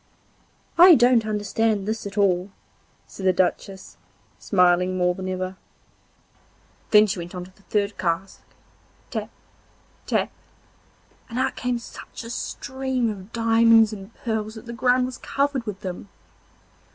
'I don't understand this at all,' said the Duchess, smiling more than before. Then she went on to the third cask, tap, tap, and out came such a stream of diamonds and pearls that the ground was covered with them.